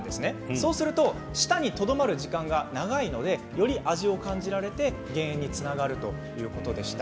そうすると舌にとどまる時間が長いのでより味を感じられて減塩につながるということでした。